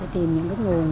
tìm những cái nguồn